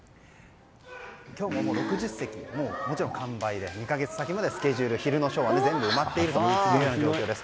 今日も６０席完売で２か月先のスケジュール昼のショーは全部埋まっている状況です。